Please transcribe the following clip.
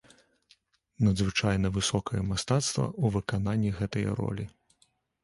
Надзвычайна высокае мастацтва ў выкананні гэтае ролі.